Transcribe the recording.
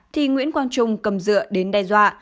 thì nguyễn quang trung cầm dựa đến đe dọa